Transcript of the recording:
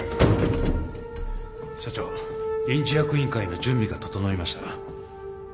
社長臨時役員会の準備が整いましたが。